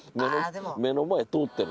目の前通ってるじゃん。